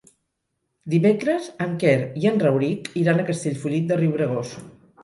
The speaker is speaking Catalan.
Dimecres en Quer i en Rauric iran a Castellfollit de Riubregós.